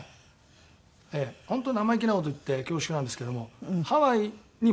本当生意気な事言って恐縮なんですけどもハワイに戻るんですね